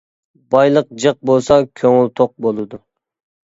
بايلىق جىق بولسا كۆڭۈل توق بولىدۇ.